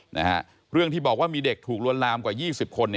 นะฮะเรื่องที่บอกว่ามีเด็กถูกลวนลามกว่ายี่สิบคน